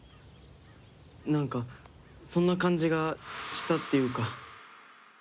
なんかそんな感じがしたっていうか。